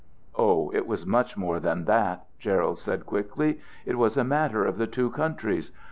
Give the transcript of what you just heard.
"Oh, it was much more than that," Gerald said quickly. "It was a matter of the two countries.